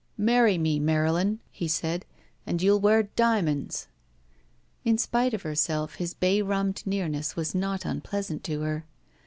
it THE VERTICAL, CITY "Marry me, Marylin," he said, "aad you'll wear diamonds." In spite of herself, his bay rummed nearness was not unpleasant to her.